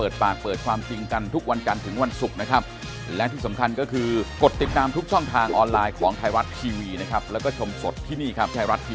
เด็กมาแย่งของกันอะ